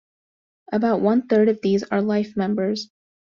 About one-third of these are life members.